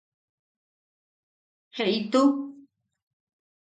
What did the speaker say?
–Jeʼitu.